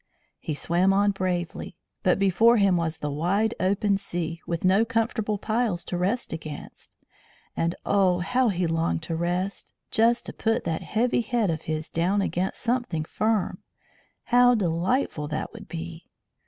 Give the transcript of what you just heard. He swam on bravely. But before him was the wide open sea, with no comfortable piles to rest against. And oh! how he longed to rest. Just to put that heavy head of his down against something firm how delightful that would be!